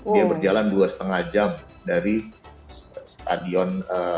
dia berjalan dua lima jam dari stadion